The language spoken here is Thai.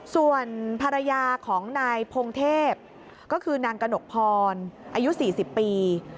ส่วนภรรยาของนายพงเทพก็คือนางกระหนกพรอายุ๔๐ปี